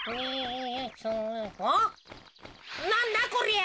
おっなんだこりゃ？